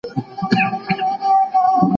د الله حقونه ادا کړئ.